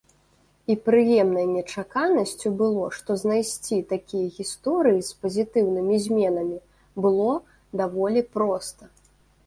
І прыемнай нечаканасцю было, што знайсці такія гісторыі з пазітыўнымі зменамі было даволі проста.